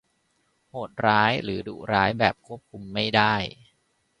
โหดร้ายหรือดุร้ายแบบควบคุมไม่ได้